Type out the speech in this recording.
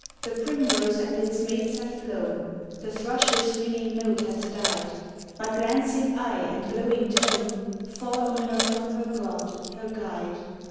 The primrose and its mates have flown, The thrush's ringing note hath died; But glancing eye and glowing tone Fall on her from her god, her guide.